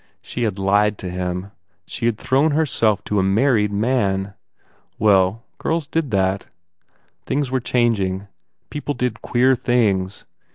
She had lied to him. She had thrown herself to a married man. Well, girls did that. Things were chang ing. People did queer things.